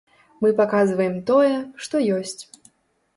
Мы паказваем тое, што ёсць.